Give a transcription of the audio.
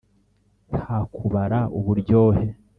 nta kubara uburyohe